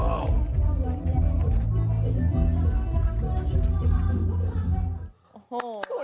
อ้าวเป็นสมบัติ